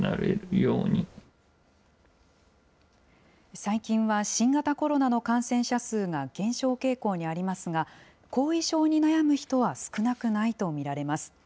最近は新型コロナの感染者数が減少傾向にありますが、後遺症に悩む人は少なくないと見られます。